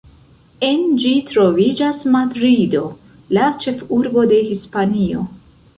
En ĝi troviĝas Madrido, la ĉefurbo de Hispanio.